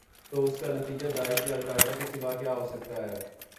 تواس کا نتیجہ داعش یا القاعدہ کے سوا کیا ہو سکتا ہے؟